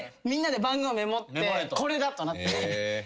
みんなで番号メモってこれだとなって。